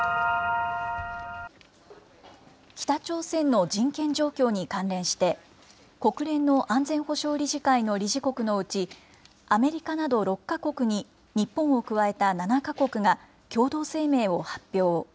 北朝鮮の人権状況に関連して、国連の安全保障理事会の理事国のうちアメリカなど６か国に日本を加えた７か国が共同声明を発表。